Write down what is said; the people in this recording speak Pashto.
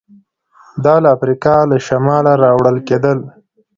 دا له افریقا له شماله راوړل کېدل